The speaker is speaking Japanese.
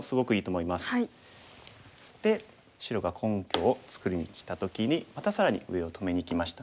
で白が根拠を作りにきた時にまた更に上を止めにきました。